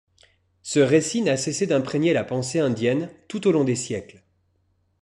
Ce récit n'a cessé d'imprégner la pensée indienne tout au long des siècles.